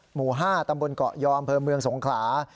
หมู่๕ตำบลเกาะยออำเภอเมืองสงขลา